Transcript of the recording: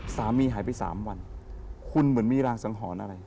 สามีหายไป๓วันคุณเหมือนมีรางสังหรณ์อะไร